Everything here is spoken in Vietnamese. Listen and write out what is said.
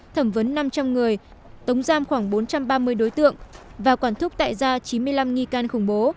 thẩm vấn năm trăm linh người tống giam khoảng bốn trăm ba mươi đối tượng và quản thúc tại ra chín mươi năm nghi can khủng bố